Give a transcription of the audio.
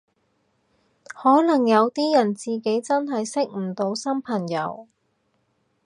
可能有啲人自己真係識唔到新朋友